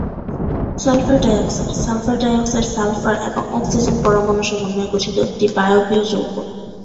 Sulphur dioxide: sulphur dioxide sulphur এবং oxygen পরমাণুর সমন্বয়ে গঠিত একটি বায়বীয় যৌগ।